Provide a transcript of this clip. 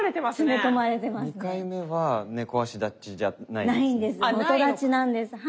２回目は猫足立ちじゃないですね。